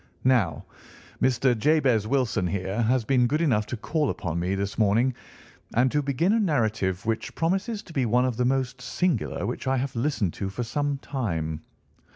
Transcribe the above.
Now, Mr. Jabez Wilson here has been good enough to call upon me this morning, and to begin a narrative which promises to be one of the most singular which I have listened to for some time.